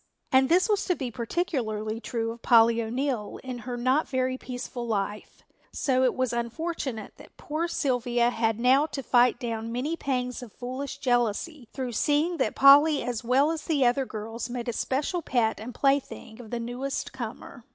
And this was to be particularly true of Polly O'Neill in her not very peaceful life, so it was unfortunate that poor Sylvia had now to fight down many pangs of foolish jealousy through seeing that Polly as well as the other girls made a special pet and plaything of the newest comer.